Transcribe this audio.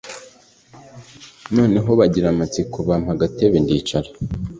noneho bagira amatsiko bampa agatebe ndicara.